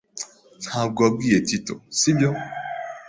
Ntabwo wabwiye Tito, sibyo?